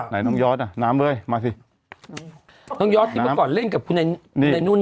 ไหนน้องยอร์ดอ่ะน้ำเว้ยมาสิน้องยอร์ดที่เมื่อก่อนเล่นกับคุณนายนุ่นใช่ไหม